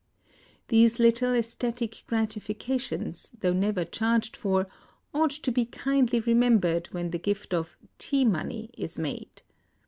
These little sesthetic gratifications, though never charged for, ought to be kindly remem bered when the gift of "tea money" is made.